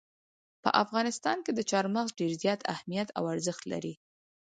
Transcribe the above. په افغانستان کې چار مغز ډېر زیات اهمیت او ارزښت لري.